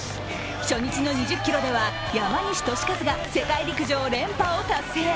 初日の２０ｋｍでは山西利和が世界陸上連覇を達成。